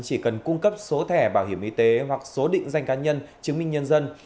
chỉ cần cung cấp số thẻ bảo hiểm y tế hoặc số định danh cá nhân chứng minh nhân dân